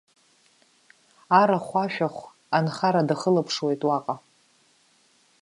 Арахә-ашәахә, анхара дахылаԥшуеит уаҟа.